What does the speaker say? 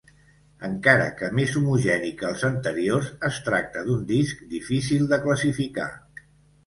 Encara que més homogeni que els anteriors, es tracta d'un disc difícil de classificar.